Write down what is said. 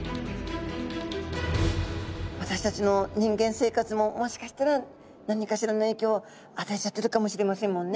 私たちの人間生活ももしかしたら何かしらの影響を与えちゃってるかもしれませんもんね